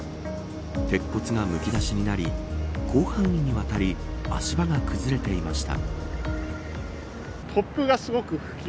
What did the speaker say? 鉄骨がむき出しになり広範囲にわたり足場が崩れていました。